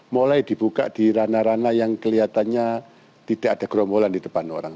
mulai dibuka di ranah rana yang kelihatannya tidak ada gerombolan di depan orang